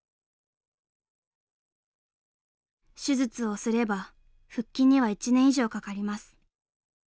手術をすれば復帰には１年以上かかります。